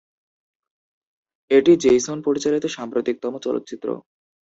এটি জেইসন পরিচালিত সাম্প্রতিকতম চলচ্চিত্র।